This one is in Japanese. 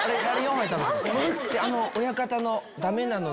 親方の。